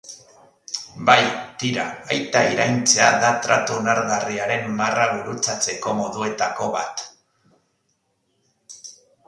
Bai, tira, aita iraintzea da tratu onargarriaren marra gurutzatzeko moduetako bat.